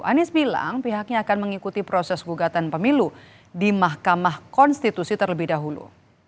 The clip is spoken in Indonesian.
anies bilang pihaknya akan mengikuti proses gugatan pemilu di mahkamah konstitusi terlebih dahulu